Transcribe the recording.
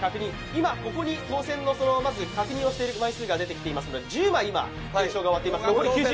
今ここに確認をしている枚数が出ていますので１０枚、今、確認が終わっています。